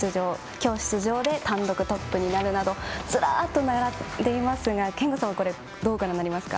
今日の出場で単独トップになるなどずらっと並んでいますが憲剛さん、どうご覧になりますか。